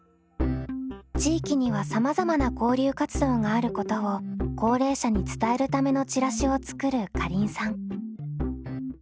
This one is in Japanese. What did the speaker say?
地域にはさまざまな交流活動があることを高齢者に伝えるためのチラシを作るかりんさん。